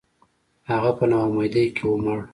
• هغه په ناامیدۍ کې ومړ.